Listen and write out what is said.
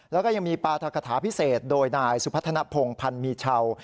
แล้วก็ยังมีปราธกฐาพิเศษโดยนายสุพัฒนภงพันธ์มีเช่า